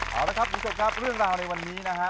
เอาละครับคุณผู้ชมครับเรื่องราวในวันนี้นะฮะ